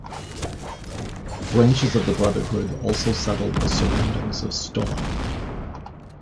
Branches of the brotherhood also settled the surroundings of Stolac.